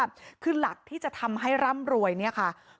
ก็เป็นเรื่องของความศรัทธาเป็นการสร้างขวัญและกำลังใจ